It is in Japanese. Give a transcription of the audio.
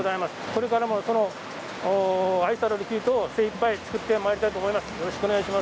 これからも愛される生糸をいっぱい作ってまいりたいと思います。